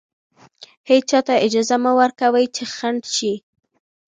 هېچا ته اجازه مه ورکوئ چې خنډ شي.